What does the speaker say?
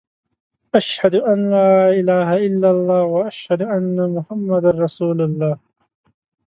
اشهد ان لا اله الا الله و اشهد ان محمد رسول الله.